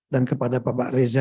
dan kepada bapak reza